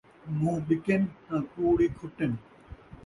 مون٘ہہ ٻکّن تاں کوڑ ءِی کھٹن